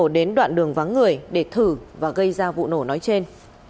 đến đoạn đường vắng người để thử và gây ra vụ nổ nói trên